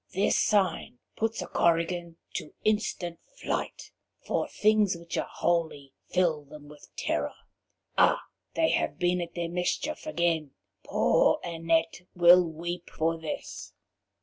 This sign puts a Korrigan to instant flight, for things which are holy fill them with terror.... Ah! they have been at their mischief again. Poor Annette will weep for this."